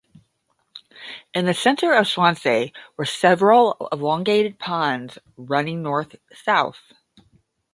In the centre of Swansea were several elongated ponds running north-south.